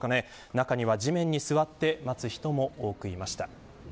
中には、地面に座って待つ人も多くいました。